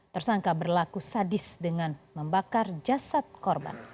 tersangka berlaku sadis dengan membakar jasad korban